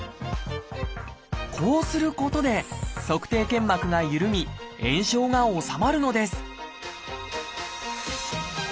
こうすることで足底腱膜がゆるみ炎症が治まるのです